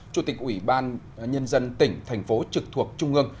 chủ tịch ủy ban nhân dân tỉnh thành phố trực thuộc trung ương